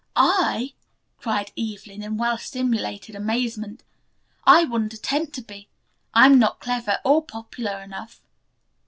"I," cried Evelyn in well simulated amazement. "I wouldn't attempt to be, I am not clever or popular enough."